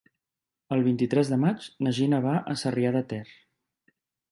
El vint-i-tres de maig na Gina va a Sarrià de Ter.